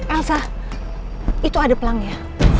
elsa itu ada pelangnya